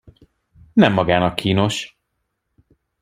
Nem magának kínos.